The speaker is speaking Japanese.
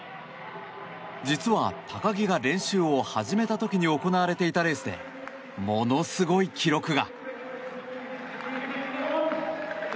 実は高木が練習を始めた時に行われていたレースでものすごい記録が。